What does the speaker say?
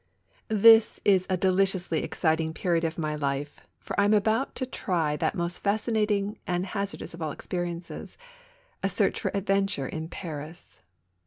T his is a deliciously exciting period of my life, for I am about to try tbat most fascinating and hazard ous of all experiences, a search for adventure in Paris.